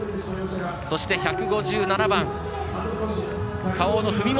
そして、１５７番、Ｋａｏの文元。